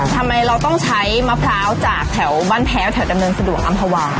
ทำไมเราต้องใช้มะพร้าวจากแถวบ้านแพ้วแถวดำเนินสะดวกอำภาวา